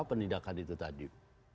penindakan itu tadi